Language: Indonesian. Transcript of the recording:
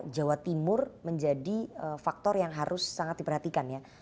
jawa timur menjadi faktor yang harus sangat diperhatikan ya